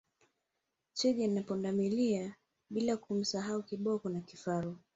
Twiga na Pundamilia bila kumsahau Kiboko na kifaru